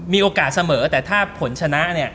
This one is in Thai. มีโอกาสเสมอแต่ถ้าผลชนะเนี่ย